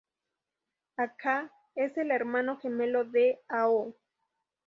Aka: Es el hermano gemelo de Ao.